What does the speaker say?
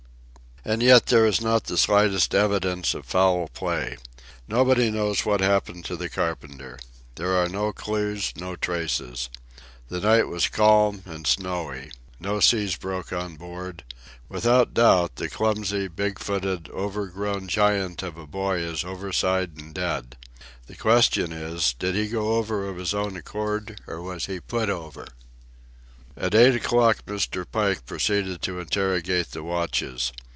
And yet there is not the slightest evidence of foul play. Nobody knows what happened to the carpenter. There are no clues, no traces. The night was calm and snowy. No seas broke on board. Without doubt the clumsy, big footed, over grown giant of a boy is overside and dead. The question is: did he go over of his own accord, or was he put over? At eight o'clock Mr. Pike proceeded to interrogate the watches.